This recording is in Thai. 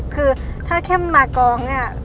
คือถ้าเข้มมากองเนี่ย